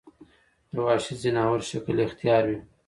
د وحشي ځناور شکل اختيار وي